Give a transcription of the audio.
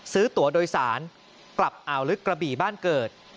ซื้อตัวโดยสารกลับอ่าวลึกกระบี่บ้านเกิด